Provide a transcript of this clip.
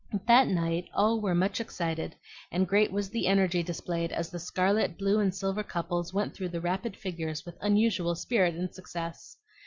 That night all were much excited, and great was the energy displayed as the scarlet, blue, and silver couples went through the rapid figures with unusual spirit and success.